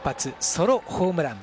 ソロホームラン。